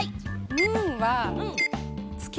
ムーンは月？